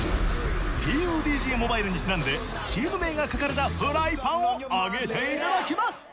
ＰＵＢＧＭＯＢＩＬＥにちなんでチーム名が書かれたフライパンをあげていただきます。